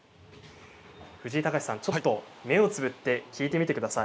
藤井隆さん目をつぶって聴いてみてください。